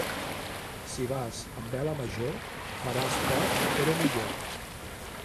Si vas amb vela major, faràs poc, però millor.